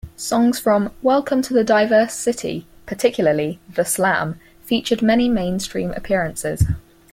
Songs from "Welcome to Diverse City", particularly "The Slam", featured many mainstream appearances.